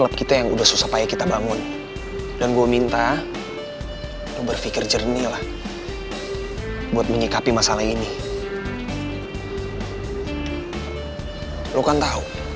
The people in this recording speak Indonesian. aku langsung kabarin kamu deh kita ngumpul dimana